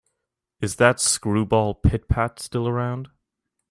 Is that screwball Pit-Pat still around?